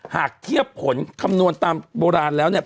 หากเทียบผลคำนวณตามโบราณแล้วเนี่ย